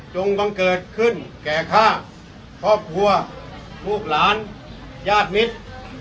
บังเกิดขึ้นแก่ข้าครอบครัวลูกหลานญาติมิตร